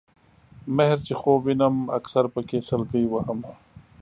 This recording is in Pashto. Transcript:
مِهر چې خوب وینم اکثر پکې سلګۍ وهمه